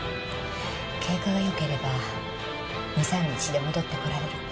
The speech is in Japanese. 経過がよければ２３日で戻ってこられるって。